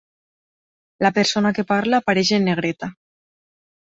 La persona que parla apareix en negreta.